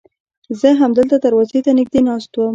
زه همدلته دروازې ته نږدې ناست وم.